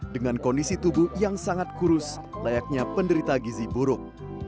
dengan kondisi tubuh yang sangat kurus layaknya penderita gizi buruk